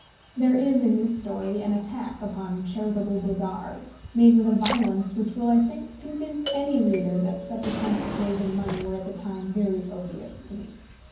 There is in this story an attack upon charitable bazaars, made with a violence which will, I think, convince any reader that such attempts at raising money were at the time very odious to me.